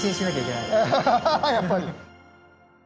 やっぱり？